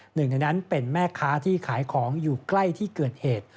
หนึ่งในนั้นเป็นแม่ค้าที่ขายของอยู่ใกล้ที่เกิดเหตุ